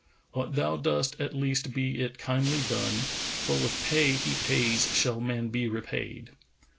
What thou dost at least be it kindly done,[FN#461] * For with pay he pays shall man be repaid.'"